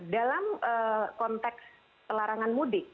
dalam konteks pelarangan mudik